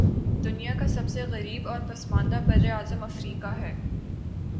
دنیا کا سب سے غریب اور پسماندہ براعظم افریقہ ہے